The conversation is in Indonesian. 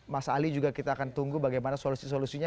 mas ali juga kita akan tunggu bagaimana solusi solusinya